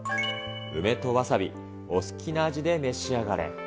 梅とわさび、お好きな味で召し上がれ。